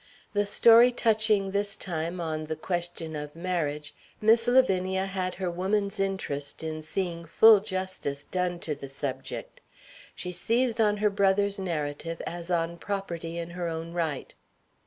The story touching, this time, on the question of marriage, Miss Lavinia had her woman's interest in seeing full justice done to the subject. She seized on her brother's narrative as on property in her own right.